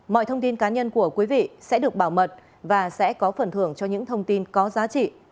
mọi thông tin cá nhân của quý vị sẽ được bảo mật và sẽ có phần thưởng cho những thông tin có giá trị